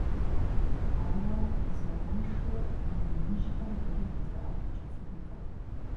Ауэ, зауэншэу мы иныжьхэм дэрэ дызэӀэпыкӀыфынукъым.